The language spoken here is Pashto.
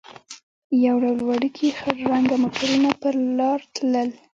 یو ډول وړوکي خړ رنګه موټرونه پر لار تلل.